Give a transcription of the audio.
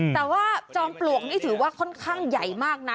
แต่ว่าจอมปลวกนี่ถือว่าค่อนข้างใหญ่มากนะ